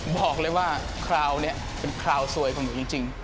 บอกเลยว่าคราวนี้เป็นคราวสวยของหนูจริง